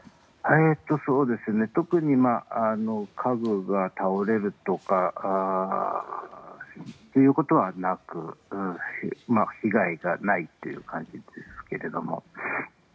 特に家具が倒れるということはなく被害はないという感じですけれども。